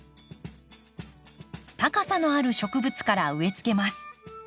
高さのある植物から植えつけます。